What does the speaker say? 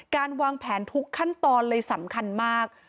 การวางแผนทุกขั้นตอนเลยสำคัญมาก